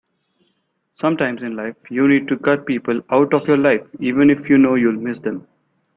Sometimes in life you need to cut people out of your life even if you know you'll miss them.